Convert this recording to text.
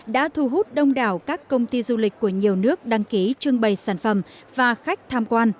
đã thu hút đông đảo các công ty du lịch của nhiều nước đăng ký trưng bày sản xuất